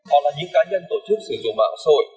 họ là những cá nhân tổ chức sử dụng mạng sội